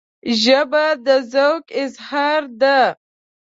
ژبه د ذوق اظهار ده